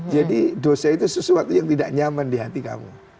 jadi dosa itu sesuatu yang tidak nyaman di hati kamu